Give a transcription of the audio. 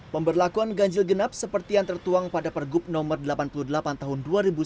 pemberlakuan ganjil genap seperti yang tertuang pada pergub no delapan puluh delapan tahun dua ribu sembilan belas